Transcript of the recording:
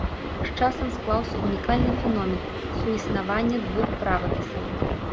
З часам склаўся ўнікальны феномен суіснавання двух правапісаў.